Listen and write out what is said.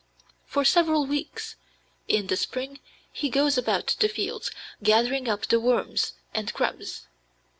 For several weeks in the spring he goes about the fields, gathering up the worms and grubs.